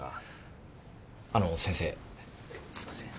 あの先生すいません。